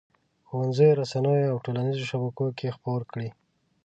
ښوونځیو، رسنیو او ټولنیزو شبکو کې خپور کړي.